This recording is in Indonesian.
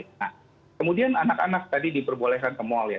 nah kemudian anak anak tadi diperbolehkan ke mal ya